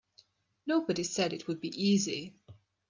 Nobody said it would be easy.